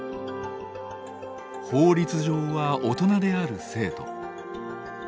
法律上は大人である生徒。